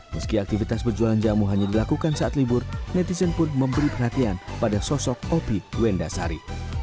meski aktivitas berjualan jamu hanya dilakukan saat libur netizen pun memberi perhatian pada sosok opi wenda sari